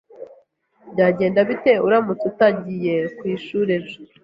Byagenda bite uramutse utagiye ku ishuri ejo?